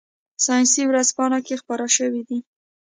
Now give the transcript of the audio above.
ساینسي ورځپاڼه کې خپاره شوي دي.